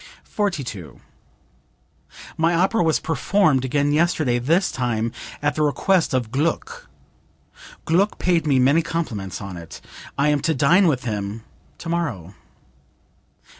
42. "My opera was performed again yesterday, this time at the request of Gluck. Gluck paid me many compliments on it. I am to dine with him tomorrow."